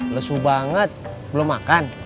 lesu banget belum makan